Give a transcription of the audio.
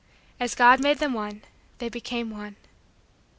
As God made them one, they became one.